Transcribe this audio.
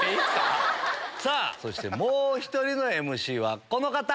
そしてもう１人のＭＣはこの方！